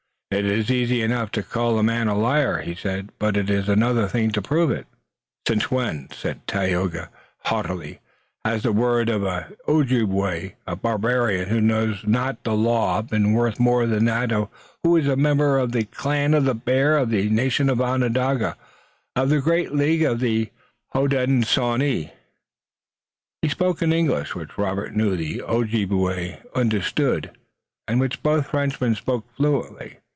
"It is easy enough to call a man a liar," he said, "but it is another thing to prove it." "Since when," said Tayoga, haughtily, "has the word of an Ojibway, a barbarian who knows not the law, been worth more than that of one who is a member of the clan of the Bear, of the nation Onondaga, of the great League of the Hodenosaunee?" He spoke in English, which Robert knew the Ojibway understood and which both Frenchmen spoke fluently.